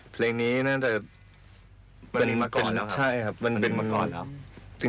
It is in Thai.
เพลงนี้น่าจะเป็นมาก่อนแล้วครับ